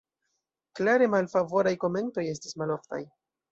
Klare malfavoraj komentoj estis maloftaj.